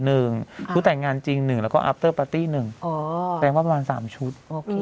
ท่องหน้าจึง๑แล้วก็อัพเตอร์ปาร์ตี้ตั้งประมาณ๓ชุด